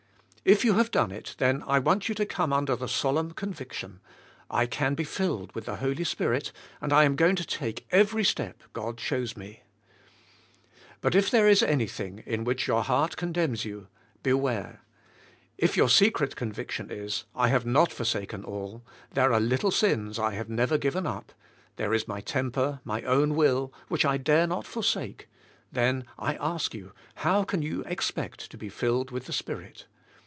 If you have done it, then I want you to come under the solemn conviction — I can be filled BK FILLED WITH THE SPIRIT. 77 with the Holy Spirit, and I am g'oing to take every step God shows me. But if there is anything in which your heart condemns you, beware! If your secret conviction is, I have not forsaken all, there are little sins I have never given up, there is my temper, my own will, which I dare not forsake, then, I ask you, how can you expect to be filled with the Spirit?